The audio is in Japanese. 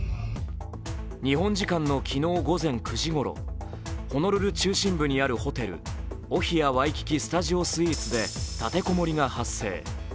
日本時間の昨日午前９時頃ホノルル中心部にあるホテルオヒア・ワイキキ・スタジオ・スイーツで立て籠もりが発生。